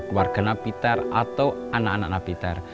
keluarga napiter atau anak anak napiter